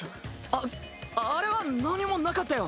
ああれは何もなかったよ。